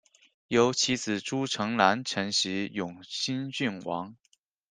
由其子朱诚澜承袭永兴郡王。